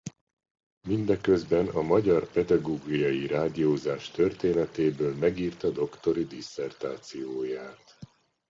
Mindeközben a magyar pedagógiai rádiózás történetéből megírta doktori disszertációját.